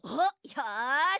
よし。